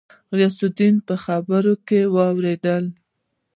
غوث الدين په خبره کې ورولوېد.